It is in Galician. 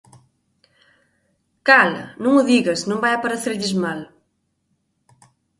¡Cala, non o digas, non vaia parecerlles mal!